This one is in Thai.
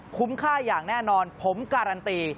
ค่าอย่างแน่นอนผมการันตี